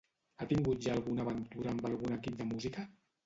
Ha tingut ja alguna aventura amb algun equip de música?